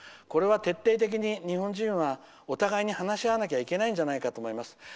これは徹底的に日本人はお互いに話し合わなきゃいけないんじゃないかと思います。